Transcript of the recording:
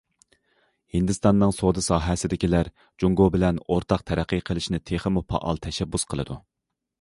ھىندىستاننىڭ سودا ساھەسىدىكىلەر جۇڭگو بىلەن ئورتاق تەرەققىي قىلىشنى تېخىمۇ پائال تەشەببۇس قىلىدۇ.